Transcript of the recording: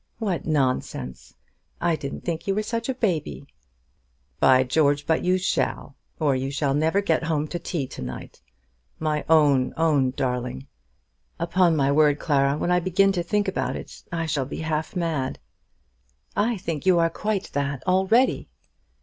"What nonsense! I didn't think you were such a baby." "By George, but you shall; or you shall never get home to tea to night. My own, own, own darling. Upon my word, Clara, when I begin to think about it I shall be half mad." "I think you are quite that already."